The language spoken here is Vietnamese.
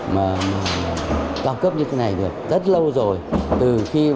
mà cao cấp như thế này được rất lâu rồi